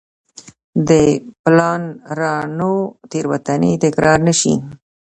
د پلانرانو تېروتنې تکرار نه شي.